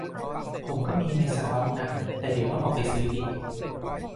ผมก็มีในสต็อกนะ แต่เดี๋ยวต้องออกไปซื้ออีก